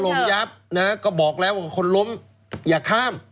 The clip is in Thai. ถล่มย้ับนะครับก็บอกแล้วคนล้มอย่าข้าม